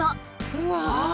うわ！